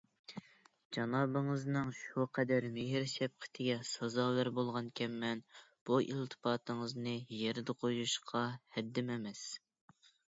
جانابىڭىزنىڭ شۇ قەدەر مېھىر - شەپقىتىگە سازاۋەر بولغانىكەنمەن، بۇ ئىلتىپاتىڭىزنى يەردە قويۇشقا ھەددىم ئەمەس.